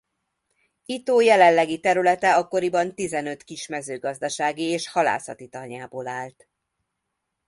Itó jelenlegi területe akkoriban tizenöt kis mezőgazdasági és halászati tanyából állt.